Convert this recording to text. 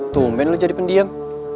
tumben lu jadi pendiam